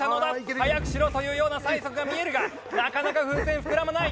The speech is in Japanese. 「早くしろ」というような催促が見えるがなかなか風船膨らまない！